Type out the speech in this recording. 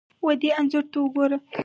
ودې انځور ته ګوره!